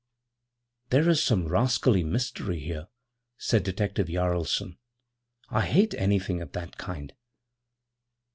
'There is some rascally mystery here,' said Detective Jaralson. 'I hate anything of that kind.'